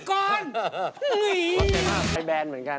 คุณฟังผมแป๊บนึงนะครับ